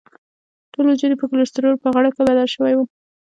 ټول وجود یې په کولسټرولو په غړکه بدل شوی وو.